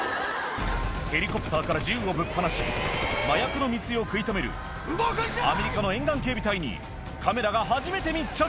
ヘリコプターから銃をぶっぱなし、麻薬の密輸を食い止めるアメリカの沿岸警備隊に、カメラが初めて密着。